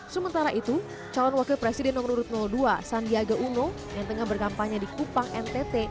sementara itu calon wakil presiden nomor urut dua sandiaga uno yang tengah berkampanye di kupang ntt